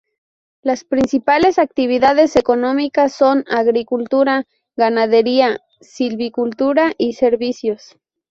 Las principales actividades económicas son: agricultura, ganadería, silvicultura y servicios.